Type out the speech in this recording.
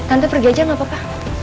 tante pergi aja gak apa apa